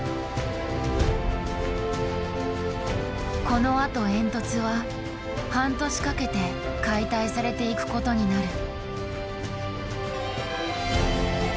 このあと煙突は半年かけて解体されていくことになる。